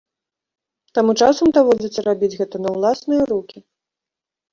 Таму часам даводзіцца рабіць гэта на ўласныя рукі.